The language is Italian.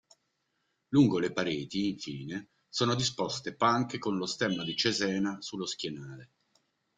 Lungo le pareti, infine, sono disposte panche con lo Stemma di Cesena sullo schienale.